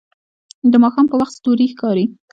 د ماښام په وخت ستوري ښکاري